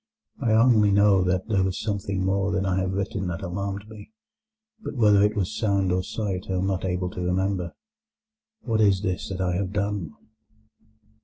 I only know that there was something more than I have written that alarmed me, but whether it was sound or sight I am not able to remember. What is this that I have done?"